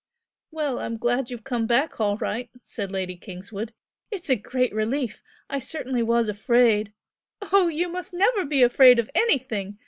"Well, I'm glad you've come back all right" said Lady Kingswood "It's a great relief! I certainly was afraid " "Oh, you must never be afraid of anything!"